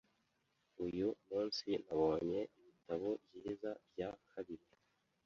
Uyu munsi nabonye ibitabo byiza bya kabiri.